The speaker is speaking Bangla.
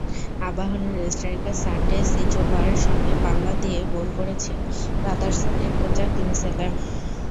আবাহনীর স্ট্রাইকার সানডে সিজোবার সঙ্গে পাল্লা দিয়ে গোল করছেন ব্রাদার্সের এনকোচা কিংসলে।